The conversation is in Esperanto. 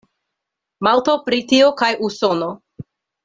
Malto, Britio kaj Usono.